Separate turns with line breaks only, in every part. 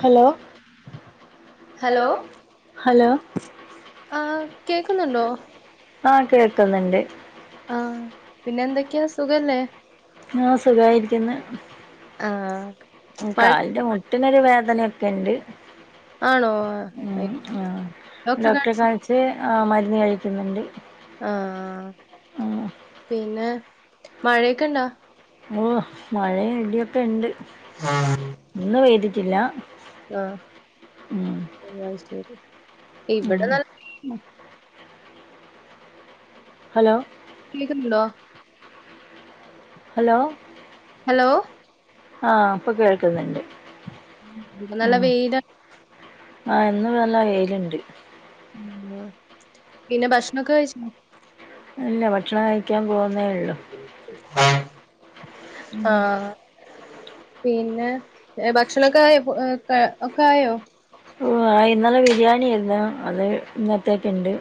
hello hello hello
ആ കേക്കുന്നുണ്ടോ
ആഹ് കേക്ക്ന്ന്ണ്ട്
ആഹ് പിന്നെ എന്തൊക്കെ സുഖല്ലെ
ആഹ് സുഖായിരിക്ക്ന്ന്
ആഹ്
ഉം കാലിന്റെ മുട്ടിനൊരു വേദനയൊക്കെ ഇണ്ട്
ആണോ ഡോക്ടറെ കാണി
ച്ച് ആഹ് മരുന്ന് കഴിക്ക്ന്ന്ണ്ട്
ആഹ്
ആഹ്
പിന്നെ മഴയൊക്കെ ഇണ്ടാ
ഓഹ് മഴയും ഇടിയൊക്ക ഇണ്ട് ഇന്ന് പെയ്തിട്ടില്ല
ആഹ്
ഉം
ഓഹ് അയ്ശരി
ഉം
ഇവ്ടെ നല്ല
ഹലോ
കേക്ക്ന്ന്ണ്ടോ
ഹലോ
ഹലോ
ആഹ് ഇപ്പ കേക്ക്ന്ന്ണ്ട്
ഇന്ന് നല്ല വെയില
ആഹ് ഇന്ന് നല്ല വെയില്ണ്ട്
ഉം പിന്ന ഭക്ഷ്ണൊക്കെ കഴിച്ച
ഇല്ല ഭക്ഷണം കഴിക്കാ പോവ്ന്നേ ഉള്ളു ഉം
ആഹ് പിന്ന ഭക്ഷണൊക്കെ ആയൊ ഒക്ക ആയൊ
ഓഹ് ആഹ് ഇന്നലെ ബിരിയാണിയെര്ന്നു അത് ഇന്നത്തേക്ക് ഇണ്ട്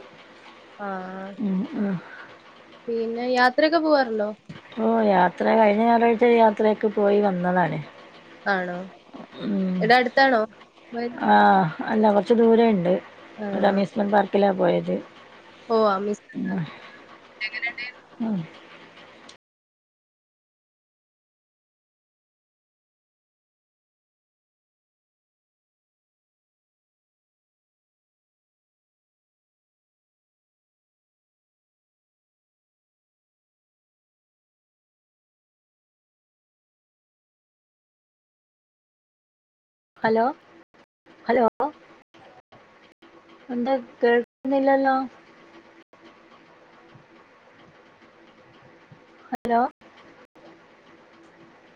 ആഹ്
ഉം ആഹ്
പിന്ന യാത്രൊക്ക പോവാറ്ണ്ടോ
ഓഹ് യാത്ര കഴിഞ്ഞ ഞായറാഴ്ച യാത്രക്കെ പോയി വന്നതാണ്
ആണോ
ഉം
ഇവിടെ അടുത്താണോ വരി-
ആഹ് അല്ല കൊറ്ച്ച് ദൂരണ്ട്
ആ
ഒര് അമീസ്മെൻ പാർക്കിലാ പോയത്
ഓഹ് അമു
ആഹ് ഹലോ ഹലോ എന്താ കേൾക്കുന്നില്ലല്ലോ ഹലോ